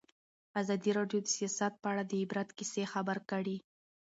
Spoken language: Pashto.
ازادي راډیو د سیاست په اړه د عبرت کیسې خبر کړي.